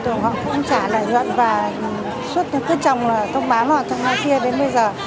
tưởng họ cũng trả lời nhuận và suốt tháng cứ trồng là thông báo họ trong nơi kia đến bây giờ